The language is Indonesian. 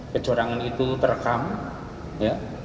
kecurangan itu terekam ya